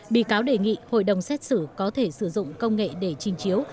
bị cáo đề nghị hội đồng xét xử có thể sử dụng công nghệ để trình chiếu